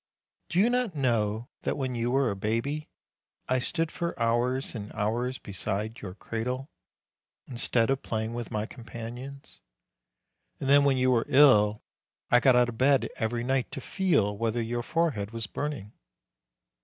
Do you not know that when you were a baby, I stood for hours and hours beside your cradle, instead of playing with my companions, and that when you were ill, I got out of bed every night to feel whether your forehead was burn ing